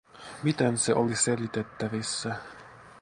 Miten se oli selitettävissä?